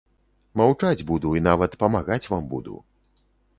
Маўчаць буду і нават памагаць вам буду.